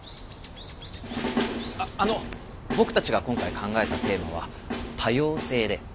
あの僕たちが今回考えたテーマは「多様性」で。